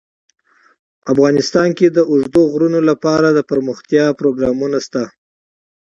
افغانستان کې د اوږده غرونه لپاره دپرمختیا پروګرامونه شته.